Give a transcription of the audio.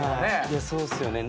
そうですよね。